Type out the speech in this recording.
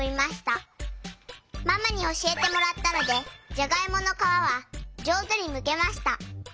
ママにおしえてもらったのでじゃがいものかわはじょうずにむけました。